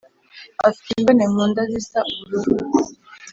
Afite imbone nkunda zisa ubururu